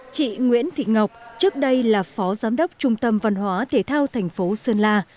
chị nguyễn thị ngọc trước đây là phó giám đốc trung tâm văn hóa thể thao thành phố sơn la